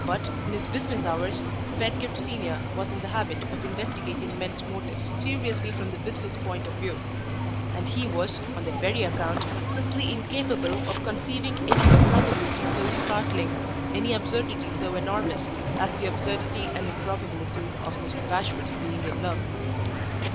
But, in his business hours, Pedgift Senior was in the habit of investigating men's motives seriously from the business point of view; and he was on that very account simply incapable of conceiving any improbability so startling, any absurdity so enormous, as the absurdity and improbability of Mr. Bashwood's being in love.